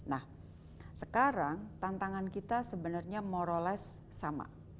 nah sekarang tantangan kita sebenarnya more or less sama